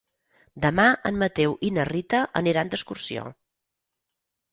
Demà en Mateu i na Rita aniran d'excursió.